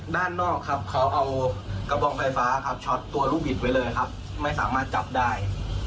ด้านนอกครับเขาเอากระบองไฟฟ้าครับช็อตตัวลูกบิดไว้เลยครับไม่สามารถจับได้